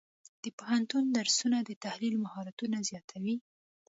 د پوهنتون درسونه د تحلیل مهارتونه زیاتوي.